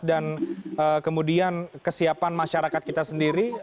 dan kemudian kesiapan masyarakat kita sendiri